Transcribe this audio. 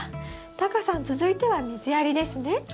タカさん続いては水やりですね？